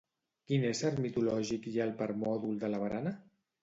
Quin ésser mitològic hi ha al permòdol de la barana?